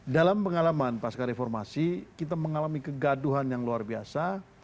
dalam pengalaman pasca reformasi kita mengalami kegaduhan yang luar biasa